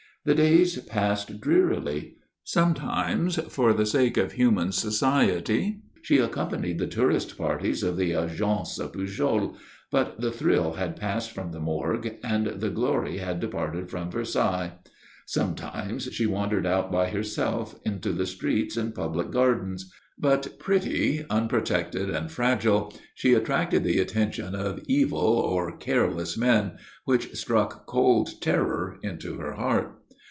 The days passed drearily. Sometimes, for the sake of human society, she accompanied the tourist parties of the Agence Pujol; but the thrill had passed from the Morgue and the glory had departed from Versailles. Sometimes she wandered out by herself into the streets and public gardens; but, pretty, unprotected, and fragile, she attracted the attention of evil or careless men, which struck cold terror into her heart.